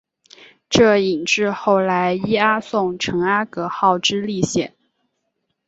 这引致后来伊阿宋乘阿格号之历险。